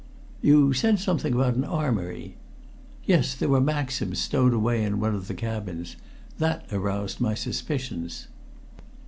"You said something about an armory." "Yes, there were Maxims stowed away in one of the cabins. They aroused my suspicions."